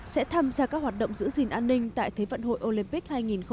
sẽ thăm ra các hoạt động giữ gìn an ninh tại thế vận hội olympic hai nghìn một mươi sáu